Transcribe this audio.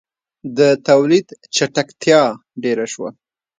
• د تولید چټکتیا ډېره شوه.